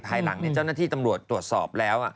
ภายหลังเจ้าหน้าที่ตำรวจตรวจสอบแล้ว